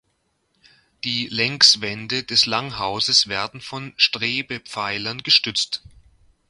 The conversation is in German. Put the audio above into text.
Die Längswände des Langhauses werden von Strebepfeilern gestützt.